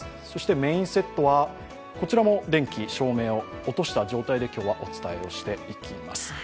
メインセットは電気、照明を落とした状態で今日はお伝えしていきます。